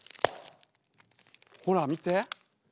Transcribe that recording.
ほら見て。